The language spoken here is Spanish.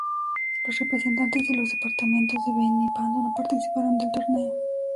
Los representantes de los departamentos de Beni y Pando no participaron del torneo.